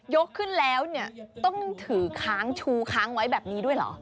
ยกขึ้นแล้วเนี่ยต้องถือค้างชูค้างไว้แบบนี้ด้วยเหรอ